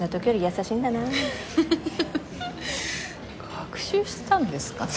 学習したんですかね。